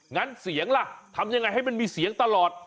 งั้นเสียงล่ะทำยังไงให้มันมีเสียงตลอด